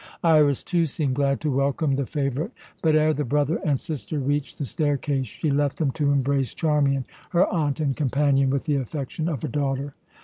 Iras, too, seemed glad to welcome the favourite, but ere the brother and sister reached the staircase she left him to embrace Charmian, her aunt and companion, with the affection of a daughter.